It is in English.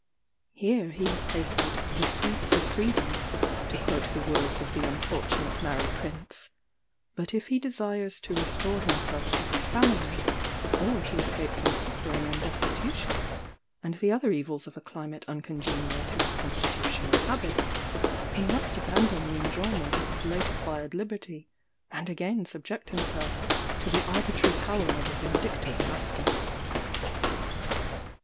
Here he has tasted "the sweets of freedom," to quote the words of the unfortunate Mary Prince; but if he desires to restore himself to his family, or to escape from suffering and destitution, and the other evils of a climate uncongenial to his constitution and habits, he must abandon the enjoyment of his late acquired liberty, and again subject himself to the arbitrary power of a vindictive master.